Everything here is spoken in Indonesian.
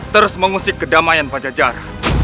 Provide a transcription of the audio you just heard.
terus mengusik kedamaian pajajar